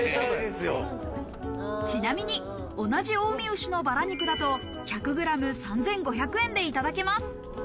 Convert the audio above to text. ちなみに同じ近江牛のバラ肉だと１００ｇ３５００円でいただけます。